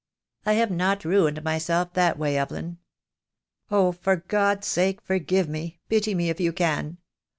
"I have not ruined myself that way, Evelyn. Oh! for God's sake forgive me, pity me if you can.